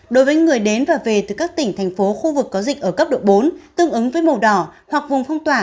đối với người đến và về từ các tỉnh thành phố khu vực có dịch ở cấp độ bốn tương ứng với màu đỏ hoặc vùng phong tỏa